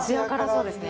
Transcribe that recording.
そうですね